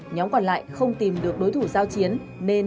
nhóm còn lại không tìm được đối thủ giao chiến nên